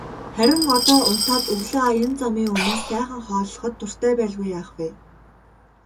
Харин одоо унтаад өглөө аян замын өмнө сайхан хооллоход дуртай байлгүй яах вэ.